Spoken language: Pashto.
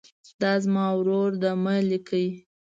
دا زما ورور ده مه لیکئ.